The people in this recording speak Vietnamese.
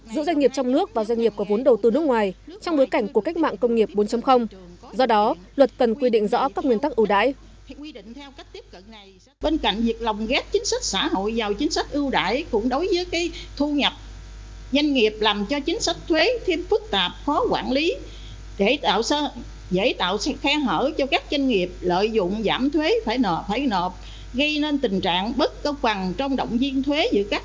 giữa doanh nghiệp trong nước và doanh nghiệp có vốn đầu tư nước ngoài trong bối cảnh của cách mạng công nghiệp bốn do đó luật cần quy định rõ các nguyên tắc ưu đãi